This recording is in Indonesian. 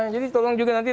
jadi tolong juga nanti